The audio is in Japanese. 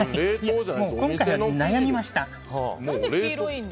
今回悩みました。